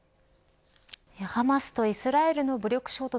ハマスとイスラエルの武力衝突